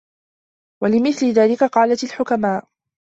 وَلِمِثْلِ ذَلِكَ قَالَتْ الْحُكَمَاءُ